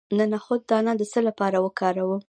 د نخود دانه د څه لپاره وکاروم؟